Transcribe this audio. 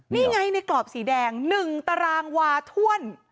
นี่ไงในกรอบสีแดง๑ตารางวาถ้วน